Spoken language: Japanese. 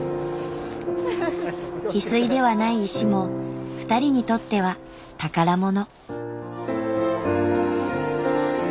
ヒスイではない石も２人にとっては宝物。